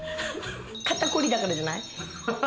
肩凝りだからじゃない？